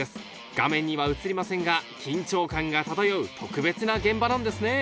画面には映りませんが緊張感が漂う特別な現場なんですね